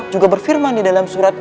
juga berfirman di dalam surat